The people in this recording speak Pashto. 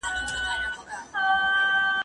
زه پرون کتابونه وړلي